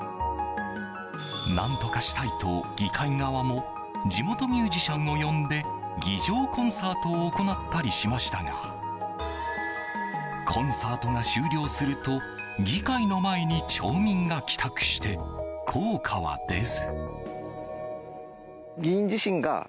何とかしたいと、議会側も地元ミュージシャンを呼んで議場コンサートを行ったりしましたがコンサートが終了すると議会の前に町民が帰宅して効果は出ず。